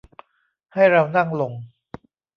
ให้เรานั่งลง